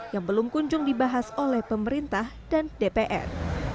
yang belum kunjung dibahas oleh pemerintah dan dpr